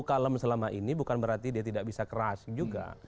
kalem selama ini bukan berarti dia tidak bisa keras juga